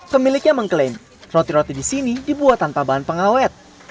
pemiliknya mengklaim roti roti di sini dibuat tanpa bahan pengawet